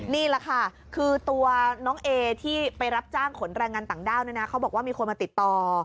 นี่แหละค่ะคือตัวน้องเอที่ไปรับจ้างขนแรงงานต่างด้าวเนี่ยนะเขาบอกว่ามีคนมาติดต่อ